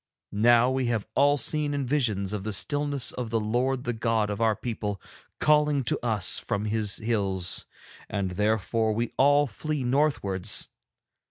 Now we have all seen in visions of the stillness the Lord the God of our people calling to us from His hills, and therefore we all flee northwards.